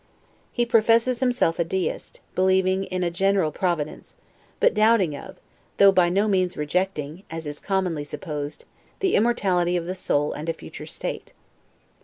He professes himself a deist; believing in a general Providence, but doubting of, though by no means rejecting (as is commonly supposed) the immortality of the soul and a future state.